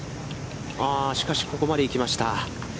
しかし、ここまで行きました。